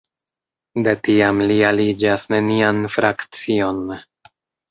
De tiam li aliĝas nenian frakcion.